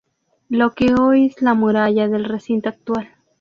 Lo que es hoy la muralla del recinto actual.